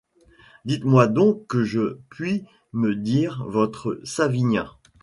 Dites-moi donc que je puis me dire votre savinien.